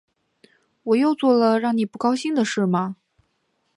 我又做了让你不高兴的事吗